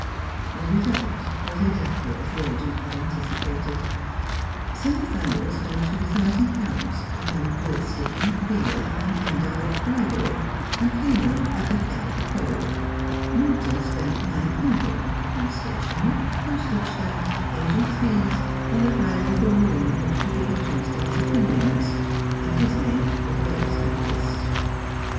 The result was exactly as the agent had anticipated. Sir Nathaniel spent two thousand pounds upon bill sticking, beer, and indirect bribery, and came in at the head of the poll ; Morton spent nine hundred upon stationery, postage stamps, agents' fees, and the hire of a room in which to give utterance to his opinions, and his name was lowest in the list.